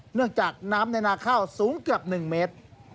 เนื่องจากน้ำในนาข้าวสูงเกือบ๑เมตร